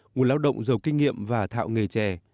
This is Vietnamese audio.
nguồn lao động giàu kinh nghiệm và thạo nghề trẻ